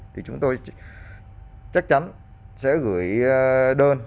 thì chúng tôi chắc chắn sẽ gửi đơn